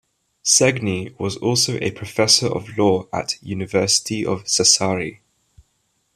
Segni was also a professor of law at University of Sassari.